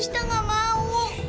sita nggak mau